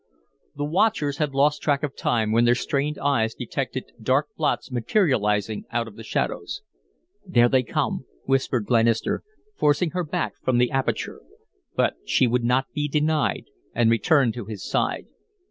The watchers had lost track of time when their strained eyes detected dark blots materializing out of the shadows. "There they come," whispered Glenister, forcing her back from the aperture; but she would not be denied, and returned to his side.